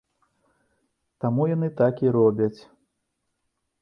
Таму яны так і робяць.